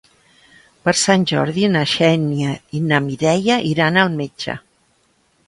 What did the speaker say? Per Sant Jordi na Xènia i na Mireia iran al metge.